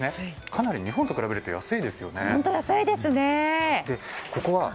かなり日本と比べると安いですよね。